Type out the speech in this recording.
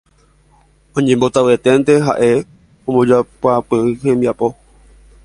Oñembotavyeténte ha'e ha ombojoapyjeýnte hembiapo.